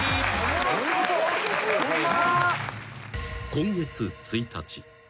［今月１日］